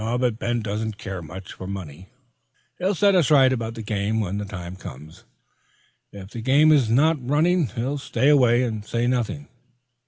But Ben doesn't care much for money. He'll set us right about the game when the time comes. If the game is not running he'll stay away and say nothing.